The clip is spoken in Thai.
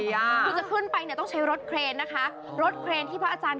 อย่างไรอ่ะคือจะขึ้นไปต้องใช้รถเครนนะคะรถเครนที่พระอาจารย์